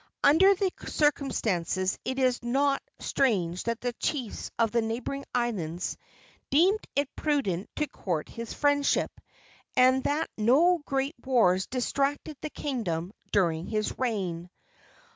Under the circumstances, it is not strange that the chiefs of the neighboring islands deemed it prudent to court his friendship, and that no great wars distracted the kingdom during his reign.